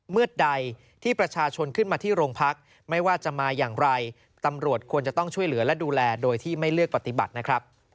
เมื่อใดที่ประชาชนขึ้นมาที่โรงพัก